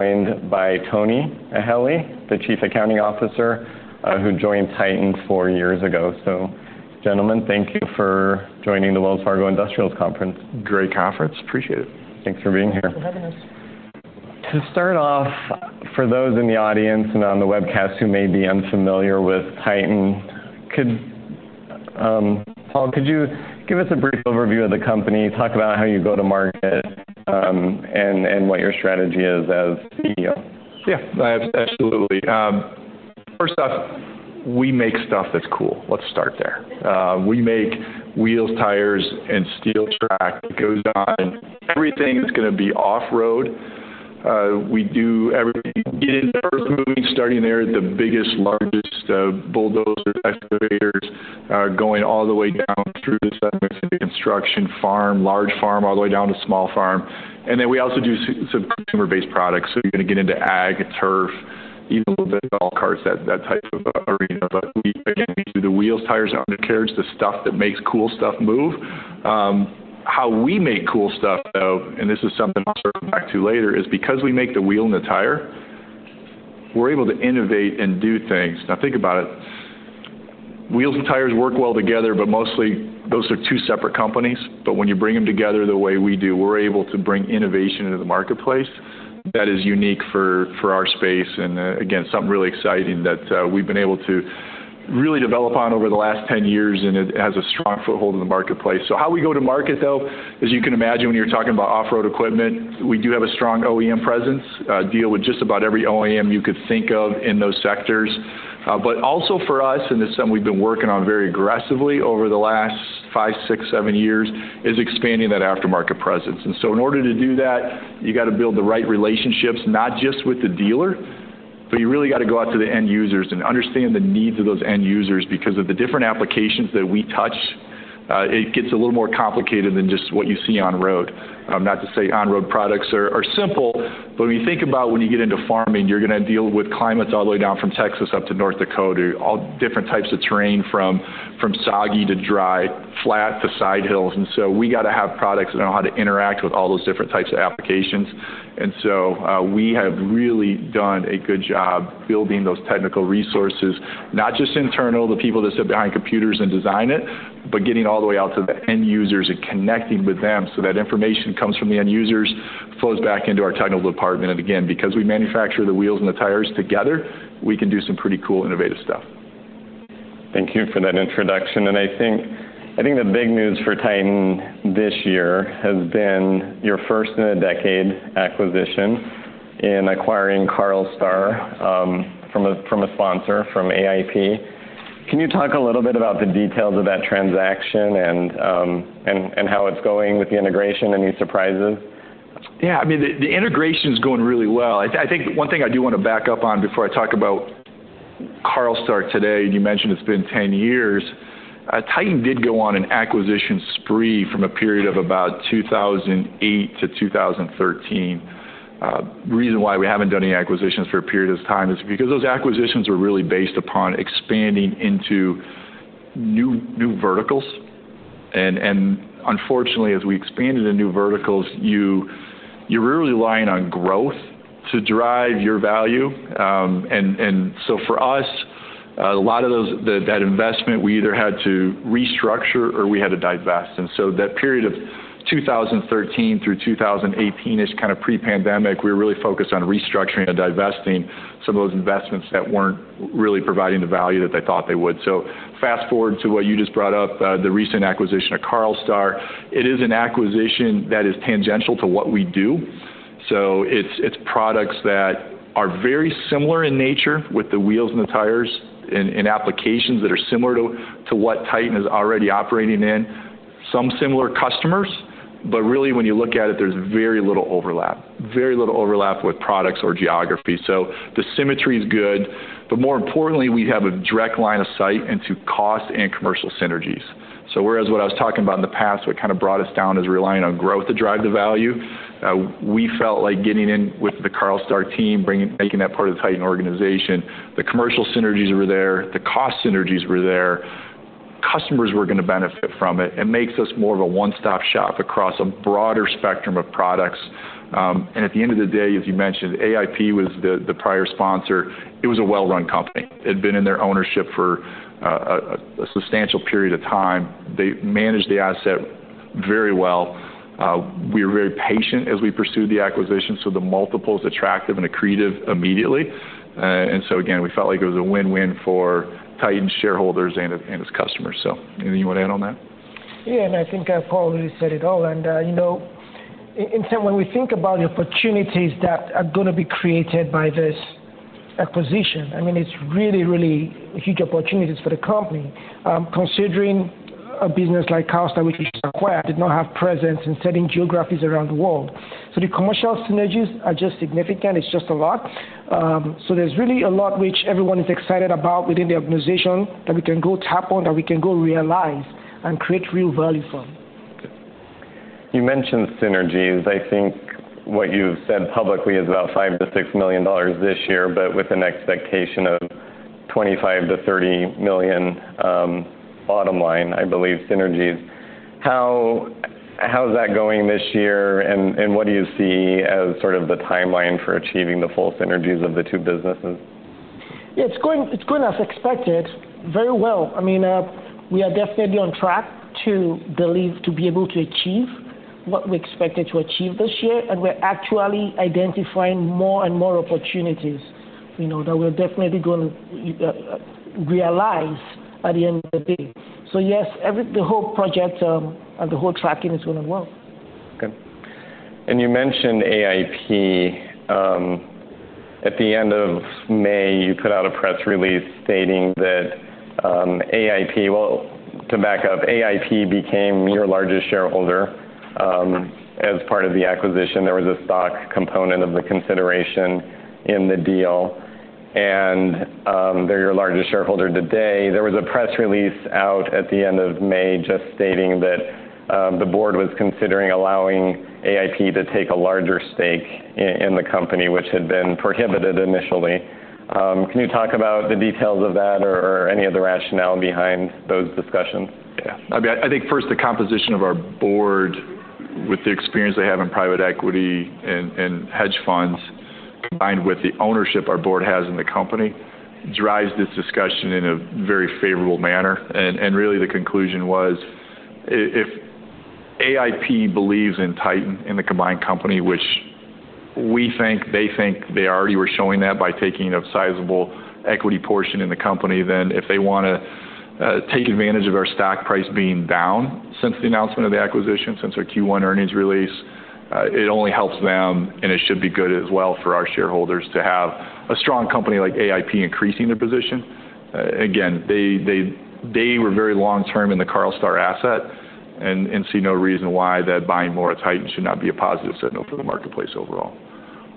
Joined by Tony Eheli, the Chief Accounting Officer, who joined Titan four years ago. Gentlemen, thank you for joining the Wells Fargo Industrials Conference. Great conference. Appreciate it. Thanks for being here. Thank you for having us. To start off, for those in the audience and on the webcast who may be unfamiliar with Titan, Paul, could you give us a brief overview of the company, talk about how you go to market, and what your strategy is as CEO? Yeah, absolutely. First off, we make stuff that's cool. Let's start there. We make wheels, tires, and steel track that goes on. Everything is going to be off-road. We do everything getting first moving, starting there, the biggest, largest bulldozers, excavators, going all the way down through the sub-construction farm, large farm, all the way down to small farm. And then we also do some consumer-based products. So you're going to get into Ag, turf, even a little bit of golf carts, that type of arena. But we do the wheels, tires, undercarriage, the stuff that makes cool stuff move. How we make cool stuff, though, and this is something I'll circle back to later, is because we make the wheel and the tire, we're able to innovate and do things. Now, think about it. Wheels and tires work well together, but mostly those are two separate companies. But when you bring them together the way we do, we're able to bring innovation into the marketplace that is unique for our space. And again, something really exciting that we've been able to really develop on over the last 10 years, and it has a strong foothold in the marketplace. So how we go to market, though, as you can imagine when you're talking about off-road equipment, we do have a strong OEM presence, deal with just about every OEM you could think of in those sectors. But also for us, and this is something we've been working on very aggressively over the last five, six, seven years, is expanding that aftermarket presence. And so in order to do that, you got to build the right relationships, not just with the dealer, but you really got to go out to the end users and understand the needs of those end users because of the different applications that we touch. It gets a little more complicated than just what you see on-road. Not to say on-road products are simple, but when you think about when you get into farming, you're going to deal with climates all the way down from Texas up to North Dakota, all different types of terrain from soggy to dry, flat to side hills. And so we got to have products that know how to interact with all those different types of applications. And so we have really done a good job building those technical resources, not just internal, the people that sit behind computers and design it, but getting all the way out to the end users and connecting with them so that information comes from the end users, flows back into our technical department. And again, because we manufacture the wheels and the tires together, we can do some pretty cool, innovative stuff. Thank you for that introduction. I think the big news for Titan this year has been your first in a decade acquisition in acquiring Carlstar from a sponsor, from AIP. Can you talk a little bit about the details of that transaction and how it's going with the integration and these surprises? Yeah, I mean, the integration is going really well. I think one thing I do want to back up on before I talk about Carlstar today, and you mentioned it's been 10 years, Titan did go on an acquisition spree from a period of about 2008 to 2013. The reason why we haven't done any acquisitions for a period of time is because those acquisitions are really based upon expanding into new verticals. And unfortunately, as we expand into new verticals, you're really relying on growth to drive your value. And so for us, a lot of that investment, we either had to restructure or we had to divest. And so that period of 2013 through 2018-ish, kind of pre-pandemic, we were really focused on restructuring and divesting some of those investments that weren't really providing the value that they thought they would. Fast forward to what you just brought up, the recent acquisition of Carlstar. It is an acquisition that is tangential to what we do. It's products that are very similar in nature with the wheels and the tires in applications that are similar to what Titan is already operating in, some similar customers. But really, when you look at it, there's very little overlap, very little overlap with products or geography. The synergy is good. But more importantly, we have a direct line of sight into cost and commercial synergies. So whereas what I was talking about in the past, what kind of brought us down is relying on growth to drive the value, we felt like getting in with the Carlstar team, making that part of the Titan organization, the commercial synergies were there, the cost synergies were there, customers were going to benefit from it. It makes us more of a one-stop shop across a broader spectrum of products. And at the end of the day, as you mentioned, AIP was the prior sponsor. It was a well-run company. It had been in their ownership for a substantial period of time. They managed the asset very well. We were very patient as we pursued the acquisition, so the multiple is attractive and accretive immediately. And so again, we felt like it was a win-win for Titan shareholders and its customers. So, anything you want to add on that? Yeah, and I think Paul really said it all. When we think about the opportunities that are going to be created by this acquisition, I mean, it's really, really huge opportunities for the company. Considering a business like Carlstar, which is quite, did not have presence in certain geographies around the world. The commercial synergies are just significant. It's just a lot. There's really a lot which everyone is excited about within the organization that we can go tap on, that we can go realize and create real value from. You mentioned synergies. I think what you've said publicly is about $5 million-$6 million this year, but with an expectation of $25 million-$30 million bottom line, I believe, synergies. How's that going this year? And what do you see as sort of the timeline for achieving the full synergies of the two businesses? Yeah, it's going as expected, very well. I mean, we are definitely on track to be able to achieve what we expected to achieve this year. We're actually identifying more and more opportunities that we're definitely going to realize at the end of the day. So yes, the whole project and the whole tracking is going to work. You mentioned AIP. At the end of May, you put out a press release stating that AIP, well, to back up, AIP became your largest shareholder as part of the acquisition. There was a stock component of the consideration in the deal. They're your largest shareholder today. There was a press release out at the end of May just stating that the board was considering allowing AIP to take a larger stake in the company, which had been prohibited initially. Can you talk about the details of that or any of the rationale behind those discussions? Yeah. I mean, I think first, the composition of our board with the experience they have in private equity and hedge funds combined with the ownership our board has in the company drives this discussion in a very favorable manner. And really, the conclusion was if AIP believes in Titan and the combined company, which we think they think they already were showing that by taking a sizable equity portion in the company, then if they want to take advantage of our stock price being down since the announcement of the acquisition, since our Q1 earnings release, it only helps them. And it should be good as well for our shareholders to have a strong company like AIP increasing their position. Again, they were very long-term in the Carlstar asset and see no reason why that buying more of Titan should not be a positive signal for the marketplace overall.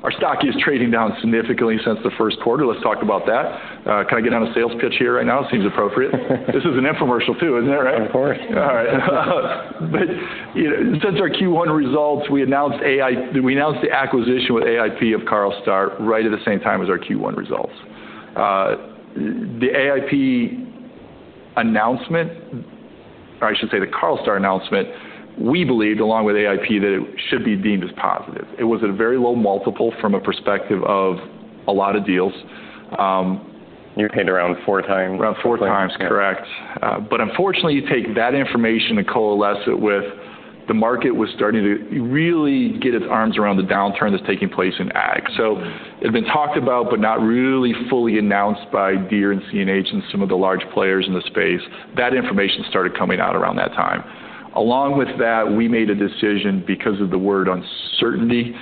Our stock is trading down significantly since the first quarter. Let's talk about that. Can I get on a sales pitch here right now? Seems appropriate. This is an infomercial too, isn't it? Of course. All right. But since our Q1 results, we announced the acquisition with AIP of Carlstar right at the same time as our Q1 results. The AIP announcement, or I should say the Carlstar announcement, we believed along with AIP that it should be deemed as positive. It was at a very low multiple from a perspective of a lot of deals. You're paid around fourtimes. Around four times, correct. But unfortunately, you take that information and coalesce it with the market was starting to really get its arms around the downturn that's taking place in Ag. So it had been talked about, but not really fully announced by Deere and CNH and some of the large players in the space. That information started coming out around that time. Along with that, we made a decision because of the world uncertainty,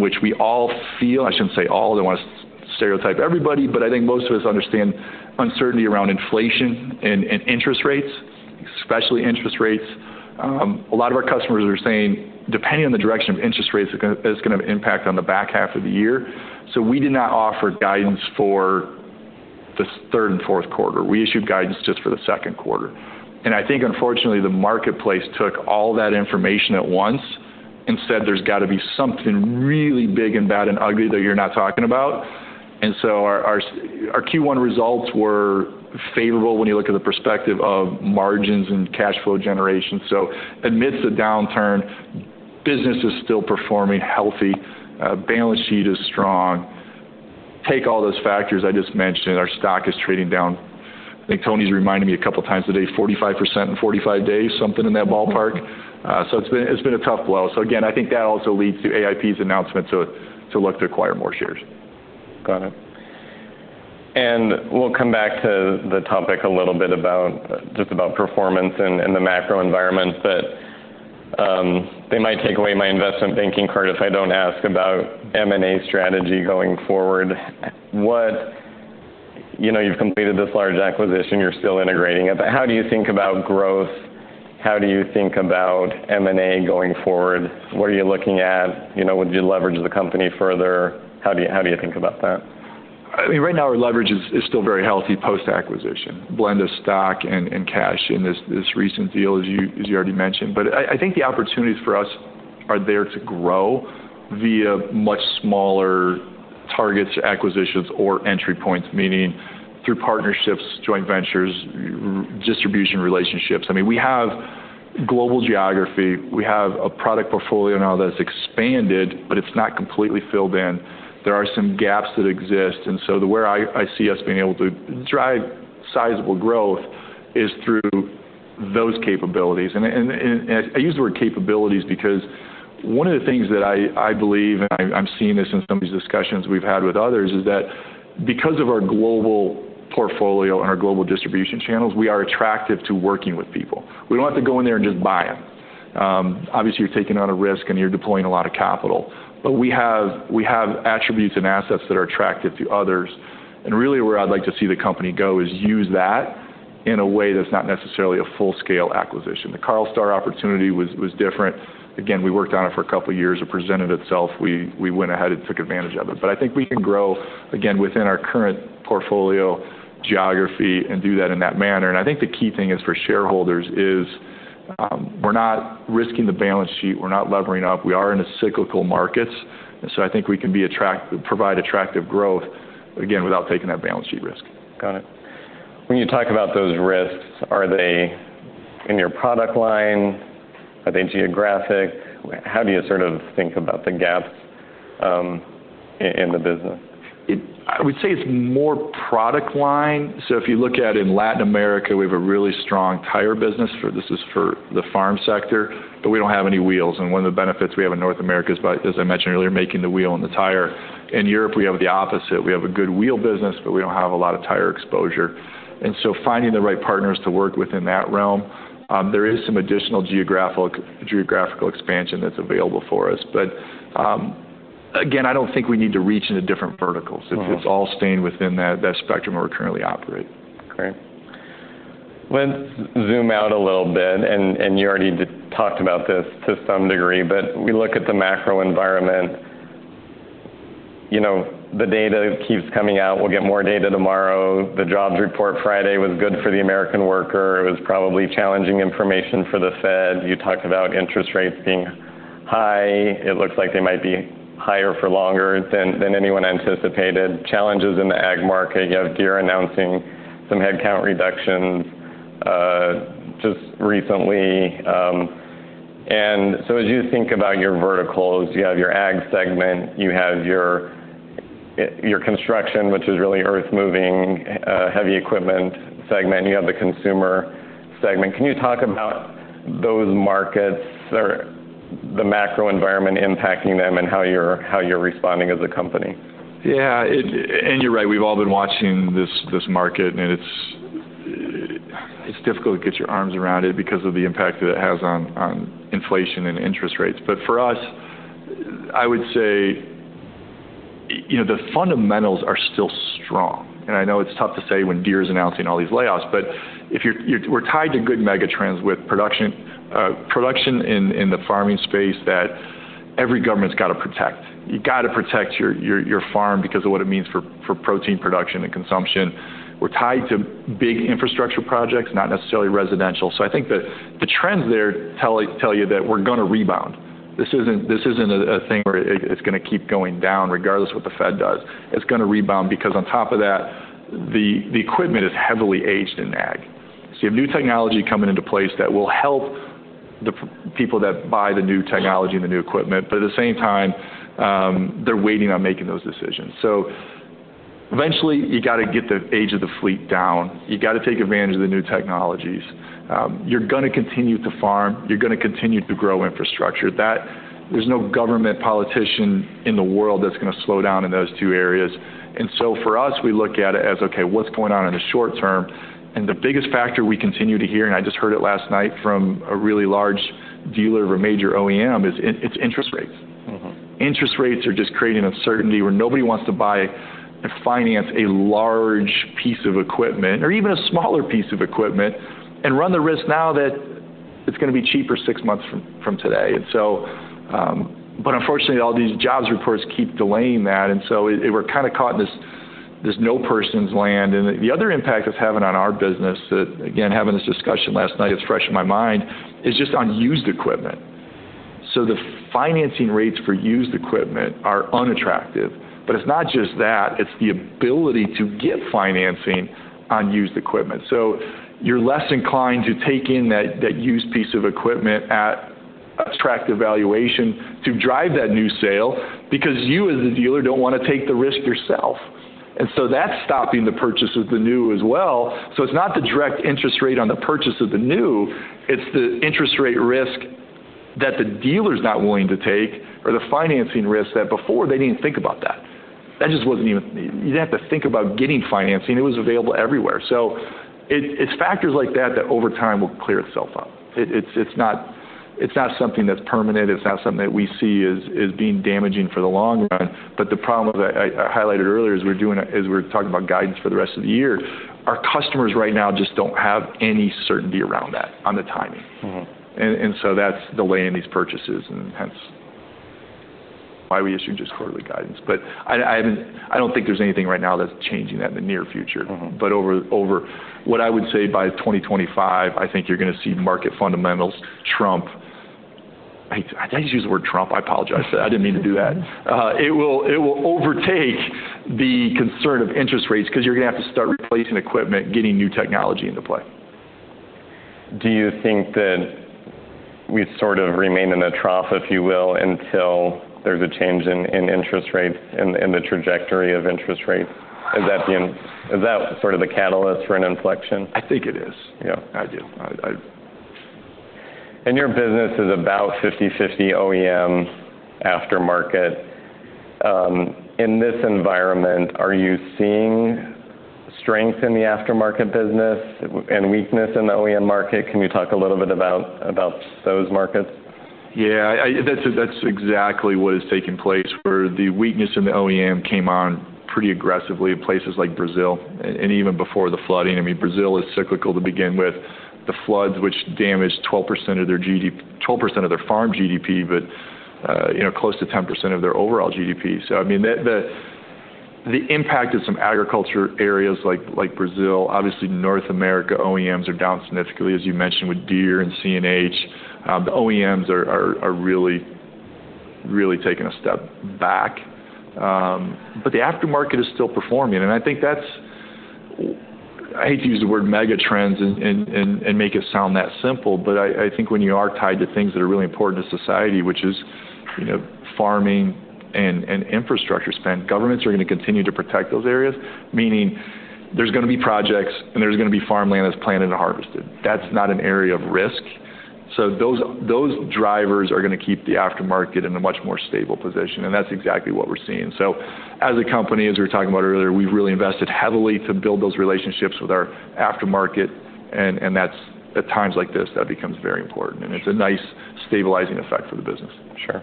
which we all feel. I shouldn't say all, I don't want to stereotype everybody, but I think most of us understand uncertainty around inflation and interest rates, especially interest rates. A lot of our customers are saying, "Depending on the direction of interest rates, it's going to have an impact on the back half of the year." So we did not offer guidance for the third and fourth quarter. We issued guidance just for the second quarter. I think, unfortunately, the marketplace took all that information at once and said, "There's got to be something really big and bad and ugly that you're not talking about." Our Q1 results were favorable when you look at the perspective of margins and cash flow generation. Amidst a downturn, business is still performing healthy. Balance sheet is strong. Take all those factors I just mentioned. Our stock is trading down. I think Tony's reminded me a couple of times today, 45% in 45 days, something in that ballpark. It's been a tough blow. Again, I think that also leads to AIP's announcement to look to acquire more shares. Got it. We'll come back to the topic a little bit just about performance and the macro environment, but they might take away my investment banking card if I don't ask about M&A strategy going forward. You've completed this large acquisition. You're still integrating it. But how do you think about growth? How do you think about M&A going forward? What are you looking at? Would you leverage the company further? How do you think about that? I mean, right now, our leverage is still very healthy post-acquisition. Blend of stock and cash in this recent deal, as you already mentioned. But I think the opportunities for us are there to grow via much smaller targets or acquisitions or entry points, meaning through partnerships, joint ventures, distribution relationships. I mean, we have global geography. We have a product portfolio now that's expanded, but it's not completely filled in. There are some gaps that exist. And so the way I see us being able to drive sizable growth is through those capabilities. And I use the word capabilities because one of the things that I believe, and I'm seeing this in some of these discussions we've had with others, is that because of our global portfolio and our global distribution channels, we are attractive to working with people. We don't have to go in there and just buy it. Obviously, you're taking on a risk and you're deploying a lot of capital. But we have attributes and assets that are attractive to others. And really, where I'd like to see the company go is use that in a way that's not necessarily a full-scale acquisition. The Carlstar opportunity was different. Again, we worked on it for a couple of years. It presented itself. We went ahead and took advantage of it. But I think we can grow, again, within our current portfolio geography and do that in that manner. And I think the key thing is for shareholders is we're not risking the balance sheet. We're not levering up. We are in a cyclical market. And so I think we can provide attractive growth, again, without taking that balance sheet risk. Got it. When you talk about those risks, are they in your product line? Are they geographic? How do you sort of think about the gaps in the business? I would say it's more product line. So if you look at in Latin America, we have a really strong tire business. This is for the farm sector, but we don't have any wheels. And one of the benefits we have in North America is, as I mentioned earlier, making the wheel and the tire. In Europe, we have the opposite. We have a good wheel business, but we don't have a lot of tire exposure. And so finding the right partners to work within that realm, there is some additional geographical expansion that's available for us. But again, I don't think we need to reach into different verticals. It's all staying within that spectrum where we currently operate. Great. Let's zoom out a little bit. You already talked about this to some degree, but we look at the macro environment. The data keeps coming out. We'll get more data tomorrow. The jobs report Friday was good for the American worker. It was probably challenging information for the Fed. You talked about interest rates being high. It looks like they might be higher for longer than anyone anticipated. Challenges in the Ag market. You have Deere announcing some headcount reductions just recently. So as you think about your verticals, you have your Ag segment. You have your construction, which is really earth-moving, heavy equipment segment. You have the consumer segment. Can you talk about those markets or the macro environment impacting them and how you're responding as a company? Yeah. You're right. We've all been watching this market. It's difficult to get your arms around it because of the impact that it has on inflation and interest rates. But for us, I would say the fundamentals are still strong. I know it's tough to say when Deere is announcing all these layoffs, but we're tied to good megatrends with production in the farming space that every government's got to protect. You got to protect your farm because of what it means for protein production and consumption. We're tied to big infrastructure projects, not necessarily residential. So I think the trends there tell you that we're going to rebound. This isn't a thing where it's going to keep going down regardless of what the Fed does. It's going to rebound because on top of that, the equipment is heavily aged in Ag. So you have new technology coming into place that will help the people that buy the new technology and the new equipment, but at the same time, they're waiting on making those decisions. So eventually, you got to get the age of the fleet down. You got to take advantage of the new technologies. You're going to continue to farm. You're going to continue to grow infrastructure. There's no government politician in the world that's going to slow down in those two areas. And so for us, we look at it as, okay, what's going on in the short term? And the biggest factor we continue to hear, and I just heard it last night from a really large dealer of a major OEM, is it's interest rates. Interest rates are just creating uncertainty where nobody wants to buy and finance a large piece of equipment or even a smaller piece of equipment and run the risk now that it's going to be cheaper six months from today. Unfortunately, all these jobs reports keep delaying that. We're kind of caught in this no-person's land. The other impact it's having on our business, again, having this discussion last night, it's fresh in my mind, is just on used equipment. The financing rates for used equipment are unattractive. It's not just that. It's the ability to get financing on used equipment. You're less inclined to take in that used piece of equipment at attractive valuation to drive that new sale because you as the dealer don't want to take the risk yourself. That's stopping the purchase of the new as well. So it's not the direct interest rate on the purchase of the new. It's the interest rate risk that the dealer is not willing to take or the financing risk that before they didn't even think about that. That just wasn't even needed. You didn't have to think about getting financing. It was available everywhere. So it's factors like that that over time will clear itself up. It's not something that's permanent. It's not something that we see as being damaging for the long run. But the problem that I highlighted earlier is we're talking about guidance for the rest of the year. Our customers right now just don't have any certainty around that on the timing. And so that's delaying these purchases and hence why we issued just quarterly guidance. But I don't think there's anything right now that's changing that in the near future. But what I would say by 2025, I think you're going to see market fundamentals trump. I didn't use the word trump. I apologize. I didn't mean to do that. It will overtake the concern of interest rates because you're going to have to start replacing equipment, getting new technology into play. Do you think that we sort of remain in a trough, if you will, until there's a change in interest rates and the trajectory of interest rates? Is that sort of the catalyst for an inflection? I think it is. I do. Your business is about 50/50 OEM, aftermarket. In this environment, are you seeing strength in the aftermarket business and weakness in the OEM market? Can you talk a little bit about those markets? Yeah. That's exactly what has taken place where the weakness in the OEM came on pretty aggressively in places like Brazil and even before the flooding. I mean, Brazil is cyclical to begin with. The floods, which damaged 12% of their farm GDP, but close to 10% of their overall GDP. So I mean, the impact of some agriculture areas like Brazil, obviously North America OEMs are down significantly, as you mentioned with Deere and CNH. The OEMs are really, really taking a step back. But the aftermarket is still performing. And I think I hate to use the word megatrends and make it sound that simple, but I think when you are tied to things that are really important to society, which is farming and infrastructure spend, governments are going to continue to protect those areas, meaning there's going to be projects and there's going to be farmland that's planted and harvested. That's not an area of risk. So those drivers are going to keep the aftermarket in a much more stable position. And that's exactly what we're seeing. So as a company, as we were talking about earlier, we've really invested heavily to build those relationships with our aftermarket. And that's, at times like this, that becomes very important. And it's a nice stabilizing effect for the business. Sure.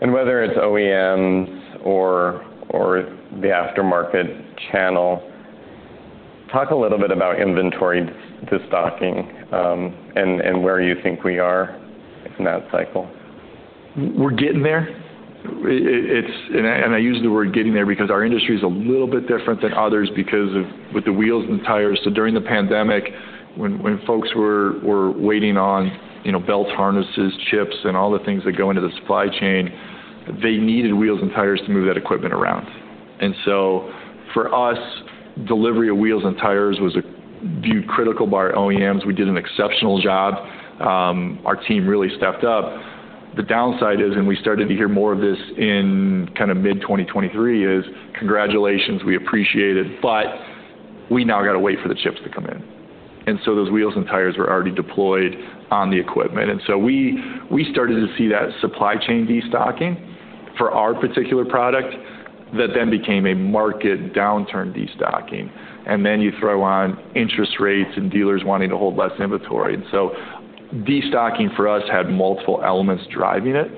Whether it's OEMs or the aftermarket channel, talk a little bit about inventory destocking and where you think we are in that cycle. We're getting there. I use the word getting there because our industry is a little bit different than others with the wheels and tires. During the pandemic, when folks were waiting on belt harnesses, chips, and all the things that go into the supply chain, they needed wheels and tires to move that equipment around. For us, delivery of wheels and tires was viewed critical by our OEMs. We did an exceptional job. Our team really stepped up. The downside is, and we started to hear more of this in kind of mid-2023, is congratulations. We appreciate it. We now got to wait for the chips to come in. Those wheels and tires were already deployed on the equipment. We started to see that supply chain destocking for our particular product that then became a market downturn destocking. And then you throw on interest rates and dealers wanting to hold less inventory. And so destocking for us had multiple elements driving it.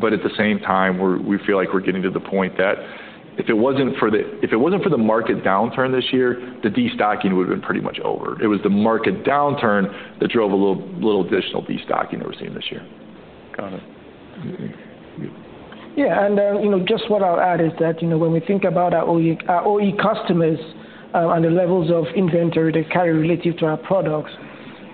But at the same time, we feel like we're getting to the point that if it wasn't for the market downturn this year, the destocking would have been pretty much over. It was the market downturn that drove a little additional destocking that we're seeing this year. Got it. Yeah. Just what I'll add is that when we think about our OEM customers and the levels of inventory they carry relative to our products,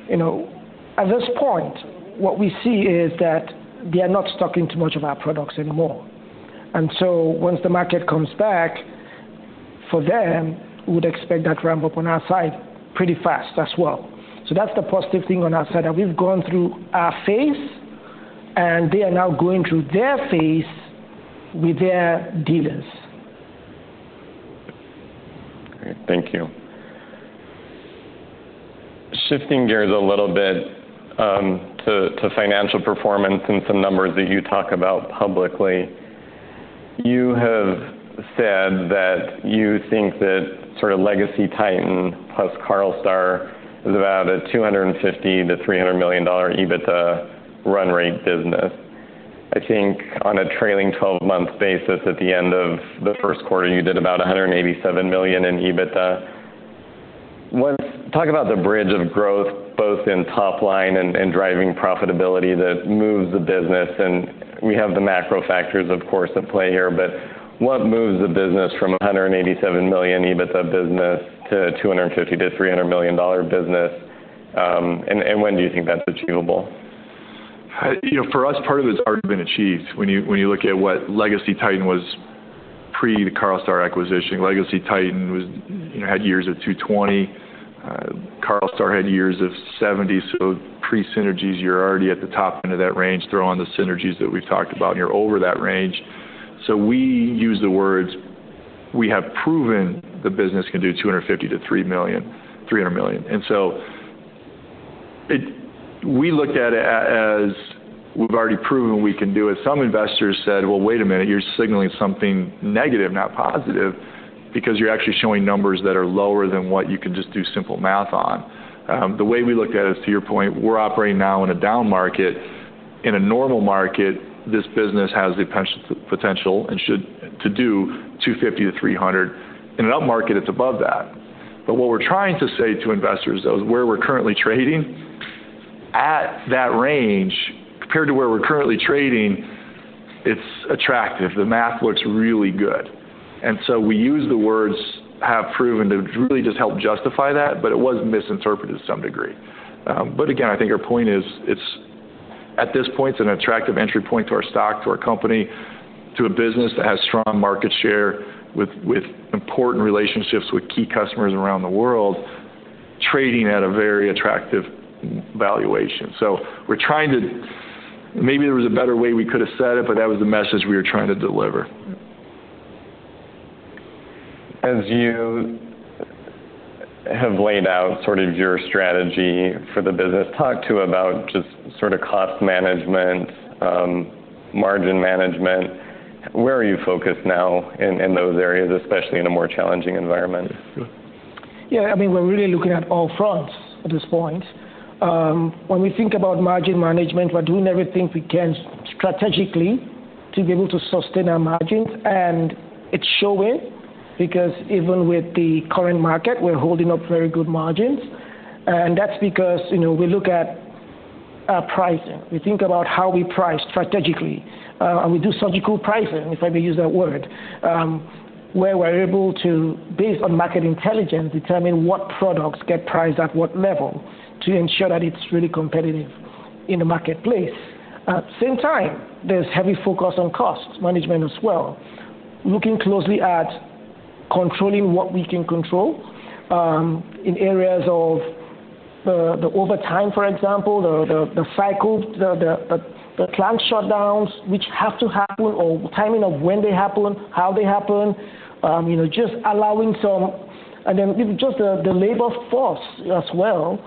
at this point, what we see is that they are not stocking too much of our products anymore. So once the market comes back, for them, we would expect that ramp up on our side pretty fast as well. That's the positive thing on our side that we've gone through our phase, and they are now going through their phase with their dealers. Great. Thank you. Shifting gears a little bit to financial performance and some numbers that you talk about publicly. You have said that you think that sort of Legacy Titan plus Carlstar is about a $250 million-$300 million EBITDA run rate business. I think on a trailing 12 month basis, at the end of the first quarter, you did about $187 million in EBITDA. Talk about the bridge of growth, both in top line and driving profitability that moves the business. And we have the macro factors, of course, at play here, but what moves the business from a $187 million EBITDA business to a $250 million-$300 million business? And when do you think that's achievable? For us, part of it's already been achieved. When you look at what Legacy Titan was pre-Carlstar acquisition, Legacy Titan had years of $220 million. Carlstar had years of $70 million. So pre-synergies, you're already at the top end of that range. Throw on the synergies that we've talked about, and you're over that range. So we use the words we have proven the business can do $250 million-$300 million. And so we look at it as we've already proven we can do it. Some investors said, "Well, wait a minute. You're signaling something negative, not positive, because you're actually showing numbers that are lower than what you can just do simple math on." The way we looked at it, to your point, we're operating now in a down market. In a normal market, this business has the potential to do $250 million-$300 million. In an up market, it's above that. But what we're trying to say to investors though is where we're currently trading, at that range, compared to where we're currently trading, it's attractive. The math looks really good. And so we use the words have proven to really just help justify that, but it was misinterpreted to some degree. But again, I think our point is at this point, it's an attractive entry point to our stock, to our company, to a business that has strong market share with important relationships with key customers around the world, trading at a very attractive valuation. So we're trying to maybe there was a better way we could have said it, but that was the message we were trying to deliver. As you have laid out sort of your strategy for the business, talk to about just sort of cost management, margin management. Where are you focused now in those areas, especially in a more challenging environment? Yeah. I mean, we're really looking at all fronts at this point. When we think about margin management, we're doing everything we can strategically to be able to sustain our margins. And it's showing because even with the current market, we're holding up very good margins. And that's because we look at our pricing. We think about how we price strategically. We do surgical pricing, if I may use that word, where we're able to, based on market intelligence, determine what products get priced at what level to ensure that it's really competitive in the marketplace. At the same time, there's heavy focus on cost management as well, looking closely at controlling what we can control in areas of the overtime, for example, the cycle, the plant shutdowns, which have to happen, or timing of when they happen, how they happen, just allowing some. And then just the labor force as well,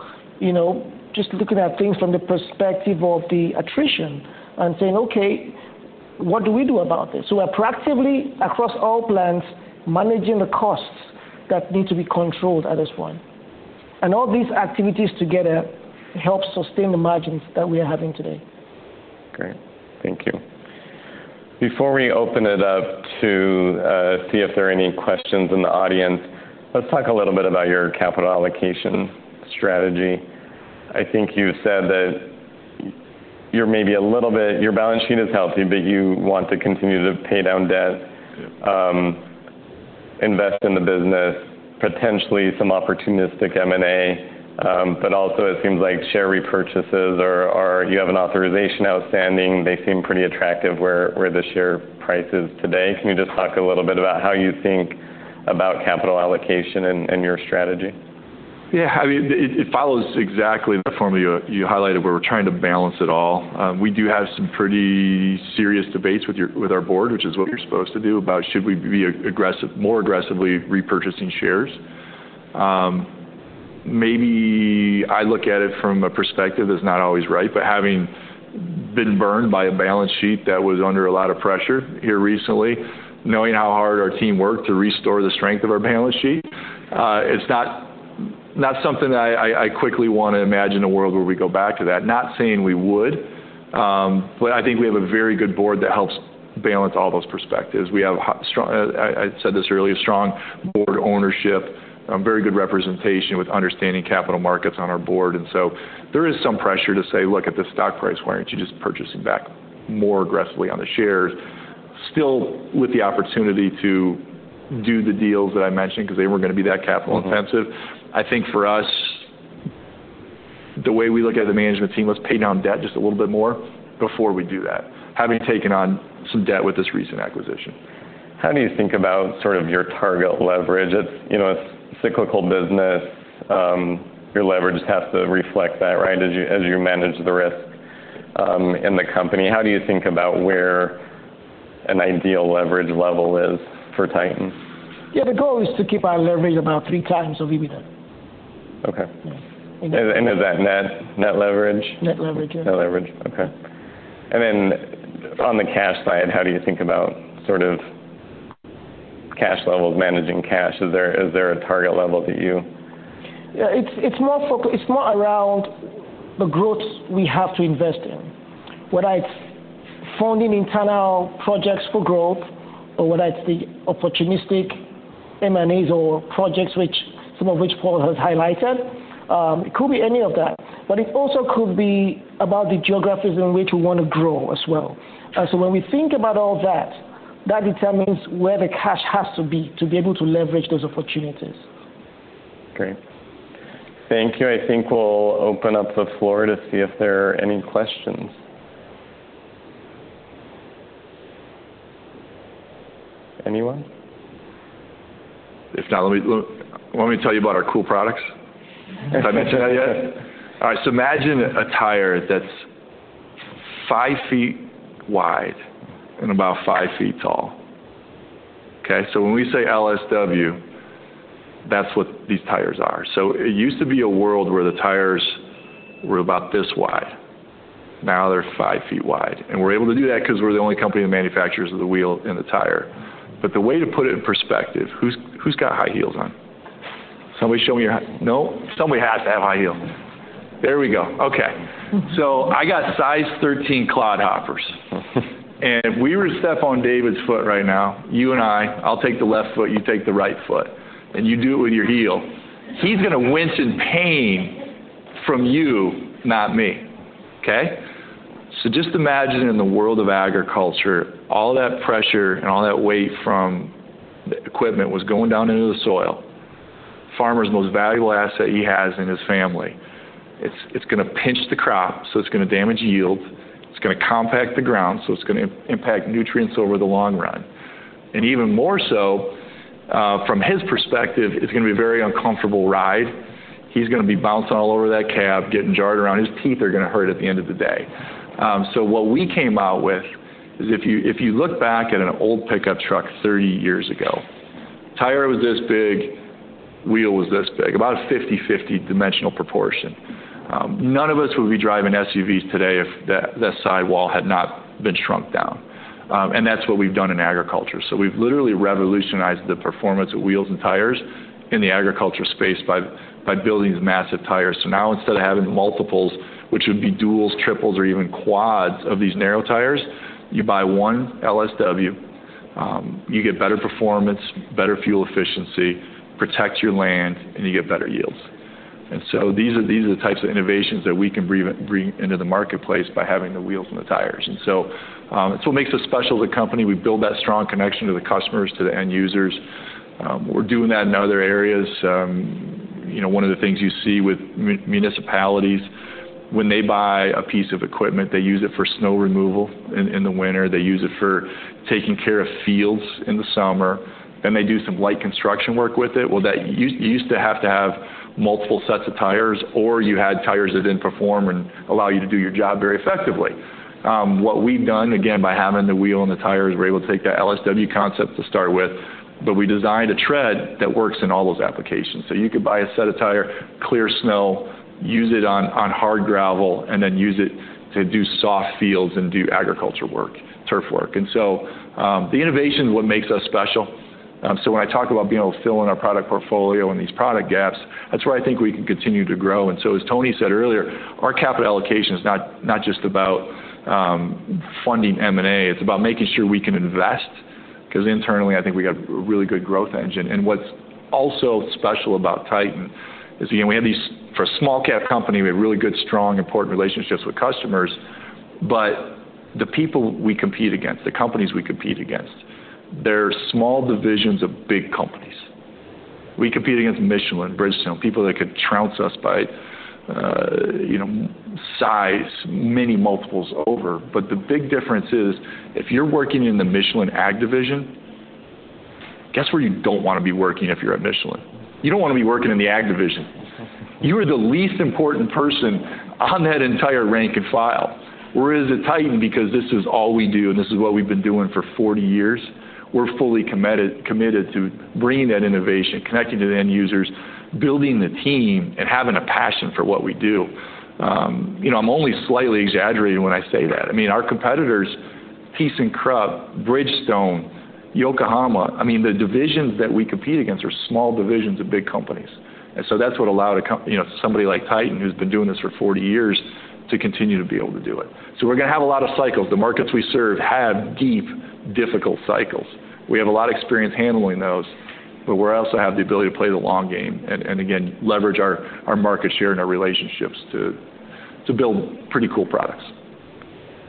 just looking at things from the perspective of the attrition and saying, "Okay, what do we do about this?" So we're proactively across all plants managing the costs that need to be controlled at this point. And all these activities together help sustain the margins that we are having today. Great. Thank you. Before we open it up to see if there are any questions in the audience, let's talk a little bit about your capital allocation strategy. I think you said that you're maybe a little bit your balance sheet is healthy, but you want to continue to pay down debt, invest in the business, potentially some opportunistic M&A, but also it seems like share repurchases or you have an authorization outstanding. They seem pretty attractive where the share price is today. Can you just talk a little bit about how you think about capital allocation and your strategy? Yeah. I mean, it follows exactly the formula you highlighted where we're trying to balance it all. We do have some pretty serious debates with our board, which is what we're supposed to do, about should we be more aggressively repurchasing shares. Maybe I look at it from a perspective that's not always right, but having been burned by a balance sheet that was under a lot of pressure here recently, knowing how hard our team worked to restore the strength of our balance sheet, it's not something that I quickly want to imagine a world where we go back to that. Not saying we would, but I think we have a very good board that helps balance all those perspectives. We have, I said this earlier, strong board ownership, very good representation with understanding capital markets on our board. And so there is some pressure to say, "Look at the stock price. Why aren't you just purchasing back more aggressively on the shares?" Still with the opportunity to do the deals that I mentioned because they weren't going to be that capital intensive. I think for us, the way we look at the management team was pay down debt just a little bit more before we do that, having taken on some debt with this recent acquisition. How do you think about sort of your target leverage? It's a cyclical business. Your leverage has to reflect that, right, as you manage the risk in the company. How do you think about where an ideal leverage level is for Titan? Yeah. The goal is to keep our leverage about 3x EBITDA. Okay. And is that net leverage? Net leverage, yes. Net leverage. Okay. And then on the cash side, how do you think about sort of cash levels, managing cash? Is there a target level that you? Yeah. It's more around the growth we have to invest in, whether it's funding internal projects for growth or whether it's the opportunistic M&As or projects, some of which Paul has highlighted. It could be any of that. It also could be about the geographies in which we want to grow as well. So when we think about all that, that determines where the cash has to be to be able to leverage those opportunities. Great. Thank you. I think we'll open up the floor to see if there are any questions. Anyone? If not, let me tell you about our cool products. Did I mention that yet? All right. So imagine a tire that's five feet wide and about five feet tall. Okay? So when we say LSW, that's what these tires are. So it used to be a world where the tires were about this wide. Now they're five feet wide. And we're able to do that because we're the only company that manufactures the wheel and the tire. But the way to put it in perspective, who's got high heels on? Somebody show me your high heels. No? Somebody has to have high heels. There we go. Okay. So I got size 13 clodhoppers. And if we were Stepon David's foot right now, you and I, I'll take the left foot, you take the right foot, and you do it with your heel. He's going to wince in pain from you, not me. Okay? So just imagine in the world of agriculture, all that pressure and all that weight from the equipment was going down into the soil, farmer's most valuable asset he has in his family. It's going to pinch the crop, so it's going to damage yields. It's going to compact the ground, so it's going to impact nutrients over the long run. And even more so, from his perspective, it's going to be a very uncomfortable ride. He's going to be bouncing all over that cab, getting jarred around. His teeth are going to hurt at the end of the day. So what we came out with is if you look back at an old pickup truck 30 years ago, tire was this big, wheel was this big, about a 50/50 dimensional proportion. None of us would be driving SUVs today if that sidewall had not been shrunk down. That's what we've done in agriculture. We've literally revolutionized the performance of wheels and tires in the agriculture space by building these massive tires. Now instead of having multiples, which would be duals, triples, or even quads of these narrow tires, you buy one LSW, you get better performance, better fuel efficiency, protect your land, and you get better yields. These are the types of innovations that we can bring into the marketplace by having the wheels and the tires. It's what makes us special as a company. We build that strong connection to the customers, to the end users. We're doing that in other areas. One of the things you see with municipalities, when they buy a piece of equipment, they use it for snow removal in the winter. They use it for taking care of fields in the summer, and they do some light construction work with it. Well, you used to have to have multiple sets of tires, or you had tires that didn't perform and allow you to do your job very effectively. What we've done, again, by having the wheel and the tires, we're able to take that LSW concept to start with, but we designed a tread that works in all those applications. So you could buy a set of tire, clear snow, use it on hard gravel, and then use it to do soft fields and do agriculture work, turf work. And so the innovation is what makes us special. So when I talk about being able to fill in our product portfolio and these product gaps, that's where I think we can continue to grow. And so as Tony said earlier, our capital allocation is not just about funding M&A. It's about making sure we can invest because internally, I think we got a really good growth engine. And what's also special about Titan is, again, we have these for a small-cap company, we have really good, strong, important relationships with customers, but the people we compete against, the companies we compete against, they're small divisions of big companies. We compete against Michelin and Bridgestone, people that could trounce us by size, many multiples over. But the big difference is if you're working in the Michelin Ag division, guess where you don't want to be working if you're at Michelin? You don't want to be working in the Ag division. You are the least important person on that entire rank and file. Whereas at Titan, because this is all we do and this is what we've been doing for 40 years, we're fully committed to bringing that innovation, connecting to the end users, building the team, and having a passion for what we do. I'm only slightly exaggerating when I say that. I mean, our competitors, thyssenkrupp, Bridgestone, Yokohama, I mean, the divisions that we compete against are small divisions of big companies. And so that's what allowed somebody like Titan, who's been doing this for 40 years, to continue to be able to do it. So we're going to have a lot of cycles. The markets we serve have deep, difficult cycles. We have a lot of experience handling those, but we also have the ability to play the long game and, again, leverage our market share and our relationships to build pretty cool products.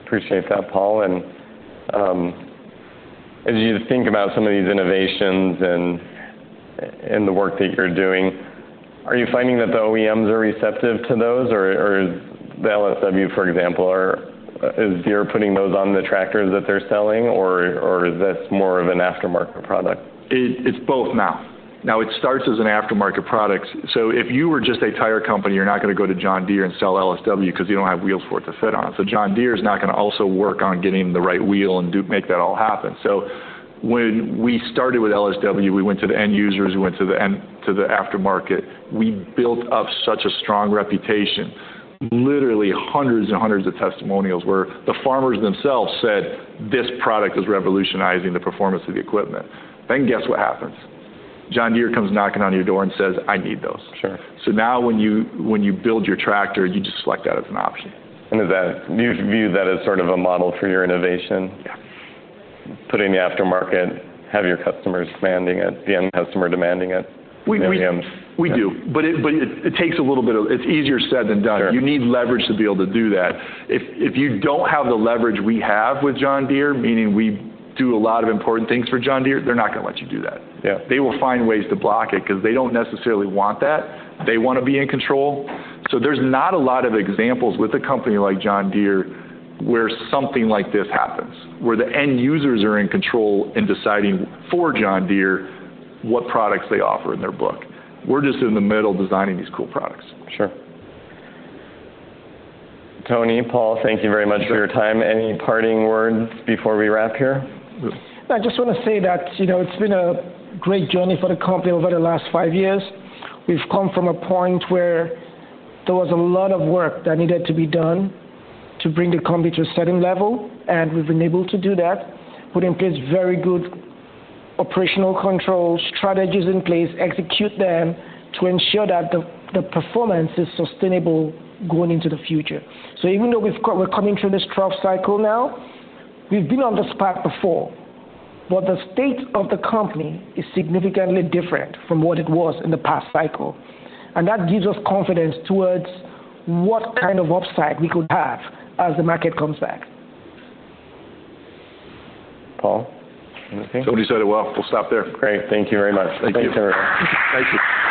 Appreciate that, Paul. And as you think about some of these innovations and the work that you're doing, are you finding that the OEMs are receptive to those or the LSW, for example? Is Deere putting those on the tractors that they're selling, or is this more of an aftermarket product? It's both now. Now it starts as an aftermarket product. So if you were just a tire company, you're not going to go to John Deere and sell LSW because you don't have wheels for it to fit on. So John Deere is not going to also work on getting the right wheel and make that all happen. So when we started with LSW, we went to the end users, we went to the aftermarket. We built up such a strong reputation. Literally hundreds and hundreds of testimonials where the farmers themselves said, "This product is revolutionizing the performance of the equipment." Then guess what happens? John Deere comes knocking on your door and says, "I need those." So now when you build your tractor, you just select that as an option. Do you view that as sort of a model for your innovation? Yeah. Putting the aftermarket, have your customers demanding it, the end customer demanding it, the OEMs? We do. But it takes a little bit of it's easier said than done. You need leverage to be able to do that. If you don't have the leverage we have with John Deere, meaning we do a lot of important things for John Deere, they're not going to let you do that. They will find ways to block it because they don't necessarily want that. They want to be in control. So there's not a lot of examples with a company like John Deere where something like this happens, where the end users are in control in deciding for John Deere what products they offer in their book. We're just in the middle designing these cool products. Sure. Tony, Paul, thank you very much for your time. Any parting words before we wrap here? I just want to say that it's been a great journey for the company over the last five years. We've come from a point where there was a lot of work that needed to be done to bring the company to a certain level, and we've been able to do that, putting in place very good operational controls, strategies in place, execute them to ensure that the performance is sustainable going into the future. Even though we're coming through this trough cycle now, we've been on this path before. But the state of the company is significantly different from what it was in the past cycle. That gives us confidence towards what kind of upside we could have as the market comes back. Paul? Anything? Somebody said it well. We'll stop there. Great. Thank you very much. Thank you. Thank you.